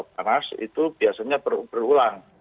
panas itu biasanya berulang